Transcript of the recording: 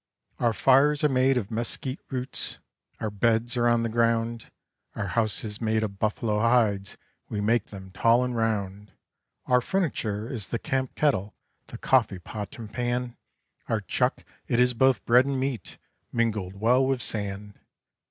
Our fires are made of mesquite roots, our beds are on the ground; Our houses made of buffalo hides, we make them tall and round; Our furniture is the camp kettle, the coffee pot, and pan, Our chuck it is both bread and meat, mingled well with sand.